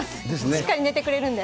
しっかり寝てくれるんで。